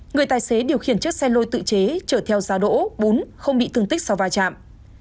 người tài xế điều khiển chiếc xe lôi tự chế chở theo giá đỗ bún không bị thương tích sau va chạm